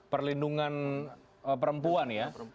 perlindungan perempuan ya